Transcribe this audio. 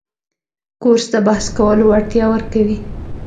کورس د بحث کولو وړتیا ورکوي.